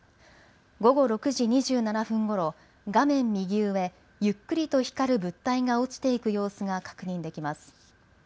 午後６時２７分ごろ、画面右上、ゆっくりと光る物体が落ちていく様子が確認できます。